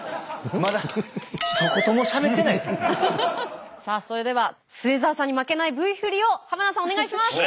まださあそれでは末澤さんに負けないＶ振りを田さんお願いします。